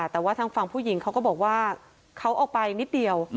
แต่ว่าทางฝั่งผู้หญิงเขาก็บอกว่าเขาออกไปนิดเดียว